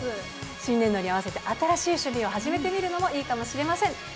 新年度に合わせて新しい趣味を始めてみるのもいいかもしれません。